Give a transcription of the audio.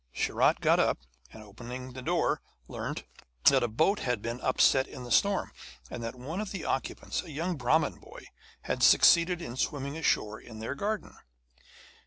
Sharat got up, and, opening the door, learnt that a boat had been upset in the storm, and that one of the occupants, a young Brahmin boy, had succeeded in swimming ashore in their garden.